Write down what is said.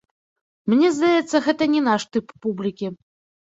Мне здаецца, гэта не наш тып публікі.